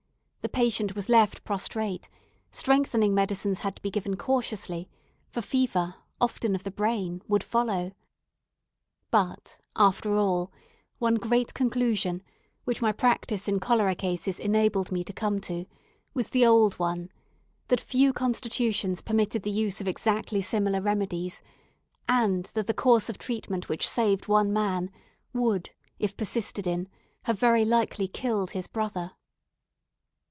The patient was left prostrate; strengthening medicines had to be given cautiously, for fever, often of the brain, would follow. But, after all, one great conclusion, which my practice in cholera cases enabled me to come to, was the old one, that few constitutions permitted the use of exactly similar remedies, and that the course of treatment which saved one man, would, if persisted in, have very likely killed his brother.